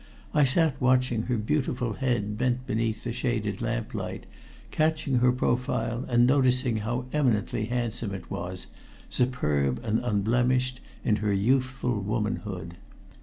I sat watching her beautiful head bent beneath the shaded lamplight, catching her profile and noticing how eminently handsome it was, superb and unblemished in her youthful womanhood.